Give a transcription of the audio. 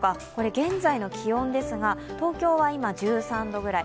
現在の気温ですが、東京は今１３度くらい。